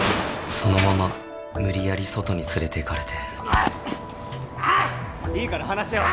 そのまま無理やり外に連れていかれてああ！？いいから話し合おう